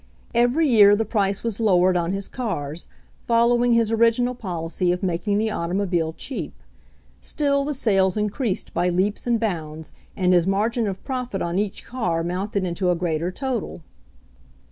Every year the price was lowered on his cars, following his origi nal policy of, making the automobile cheap. Still the sales increased by leaps and bounds, and his margin of profit on each car mounted into a greater total.